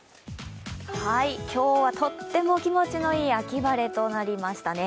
今日はとっても気持ちのいい秋晴れとなりましたね。